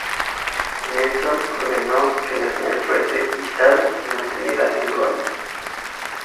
Nelson ordenó que la señal fuese izada y mantenida en lo alto.